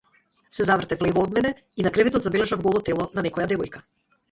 Се завртев лево од мене и на креветот забележав голо тело на некоја девојка.